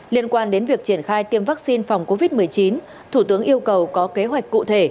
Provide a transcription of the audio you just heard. liên quan đến việc triển khai tiêm vaccine phòng covid một mươi chín thủ tướng yêu cầu có kế hoạch cụ thể